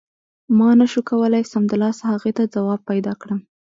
ما نه شو کولای سمدلاسه هغې ته ځواب پیدا کړم.